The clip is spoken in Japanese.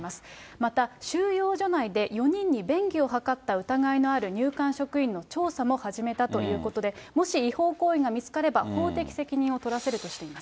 また収容所内で４人に便宜を図った疑いのある入管職員の調査も始めたということで、もし違法行為が見つかれば、法的責任を取らせるとしています。